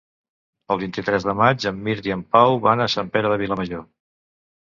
El vint-i-tres de maig en Mirt i en Pau van a Sant Pere de Vilamajor.